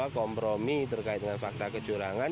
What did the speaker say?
kompromi terkait dengan fakta kecurangan